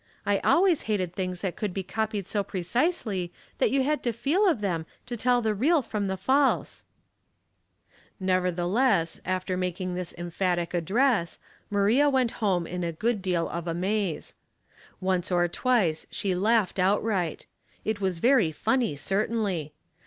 I always hated things that could be copied so precisely that you had to feel of them to tell the real from the false." Laces and Duty, 845 Nevertheless, after making this emphatic ad dress, Maria went home in a good deal of a maze. Once or twice she laughed outright. It was very funny, certainly.